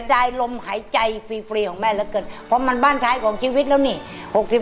ได้ลมหายใจฟรีฟรีของแม่เหลือเกินเพราะมันบ้านท้ายของชีวิตแล้วนี่หกสิบ